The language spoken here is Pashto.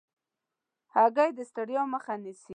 هګۍ د ستړیا مخه نیسي.